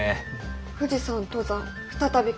「富士山登山再び活況を」。